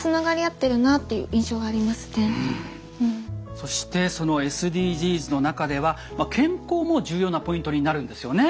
そしてそのＳＤＧｓの中ではまあ健康も重要なポイントになるんですよね？